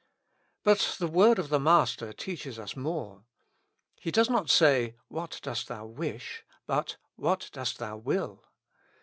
But the word of the Master teaches us more. He does not say, What dost thou wish ? but, What dost thou will?